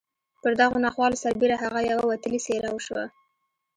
پر دغو ناخوالو سربېره هغه یوه وتلې څېره شوه